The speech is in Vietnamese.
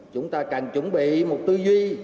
chúng ta cần chuẩn bị một tư duy